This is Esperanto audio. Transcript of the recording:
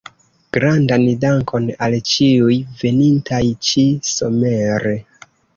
Grandan dankon al ĉiuj venintaj ĉi-somere.